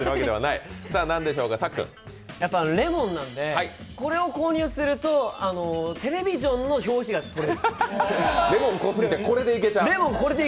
やっぱりレモンなので、これを購入すると「テレビジョン」の表紙が取れる。